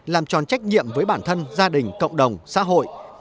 làm tròn trách nhiệm với bản thân gia đình cộng đồng xã hội